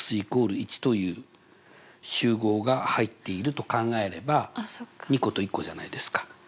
１という集合が入っていると考えれば２個と１個じゃないですか。